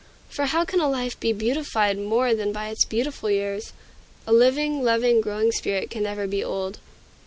For how can a life be beautified more than by its beautiful years? A living, loving, growing spirit can never be old.